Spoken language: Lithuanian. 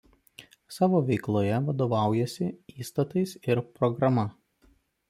Savo veikloje vadovaujasi įstatais ir programa.